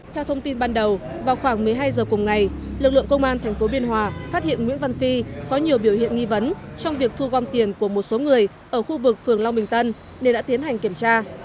theo thông tin ban đầu vào khoảng một mươi hai giờ cùng ngày lực lượng công an tp biên hòa phát hiện nguyễn văn phi có nhiều biểu hiện nghi vấn trong việc thu gom tiền của một số người ở khu vực phường long bình tân nên đã tiến hành kiểm tra